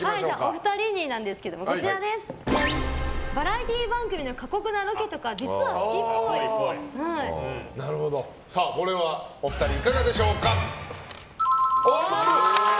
お二人になんですがバラエティー番組の過酷なロケとかこれはお二人いかがでしょう。